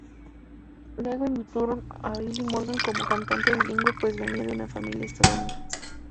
Luego invitaron a Billy Morgan como cantante bilingüe pues venia de una familia estadounidense.